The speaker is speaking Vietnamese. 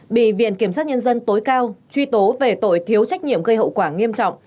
bị viện kiểm sát nhân dân tối cao truy tố về tội thiếu trách nhiệm gây hậu quả nghiêm trọng